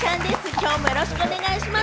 きょうもよろしくお願いします。